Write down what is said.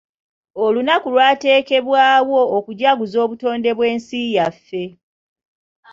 Olunaku lwateekebwawo okujaguza obutonde bw'ensi yaffe.